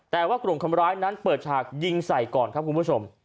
แต่ว่ากลุ่มคนร้ายนั้นเปิดฉากยิงใส่ก่อนครับคุณผู้ชม